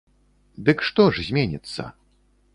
Дык што ж зменіцца?